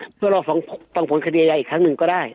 เพื่อกลับรอต้องผลคดีอาญาอีกครั้งนึงก็ได้